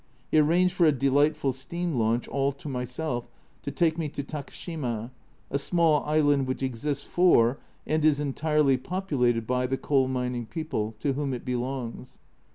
He arranged for a delightful steam launch all to myself to take me A Journal from Japan 57 to Takashima, a small island which exists for, and is entirely populated by, the coal mining people, to whom it belongs.